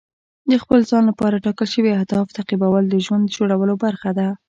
د خپل ځان لپاره ټاکل شوي اهداف تعقیبول د ژوند جوړولو برخه ده.